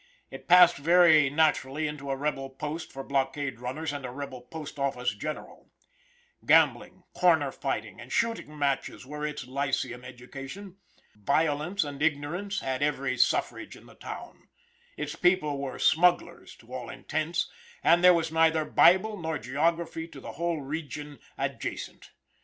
It passed very naturally into a rebel post for blockade runners and a rebel post office general. Gambling, corner fighting, and shooting matches were its lyceum education. Violence and ignorance had every suffrage in the town. Its people were smugglers, to all intents, and there was neither Bible nor geography to the whole region adjacent.